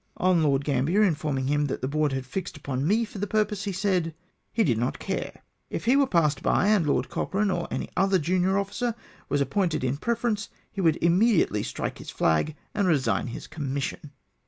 On Lord Gambler informing him that the Board had fixed upon me for the purpose, he said, " he did not care ; if he were passed by, and Lord Cochrane or any other junior officer was appointed in preference, he would immediately strike his flag, and resign his commission